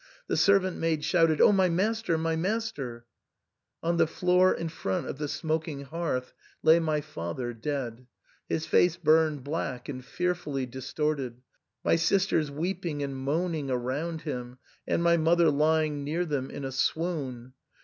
The servant maid shouted, " Oh ! my master ! my master ! On the floor in front of the smoking hearth lay my fa ther, dead, his face burned black and fearfully distorted, my sisters weeping and moaning around him, and my mother lying near them in a swoon.